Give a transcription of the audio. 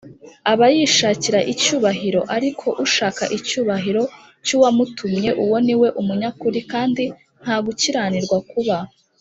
aba yishakira icyubahiro ariko ushaka icyubahiro cy uwamutumye uwo ni umunyakuri kandi nta gukiranirwa kuba